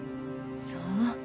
そう。